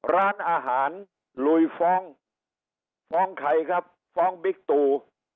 ร้านอาหารลุยฟ้องฟ้องใครครับฟ้องบิ๊กตู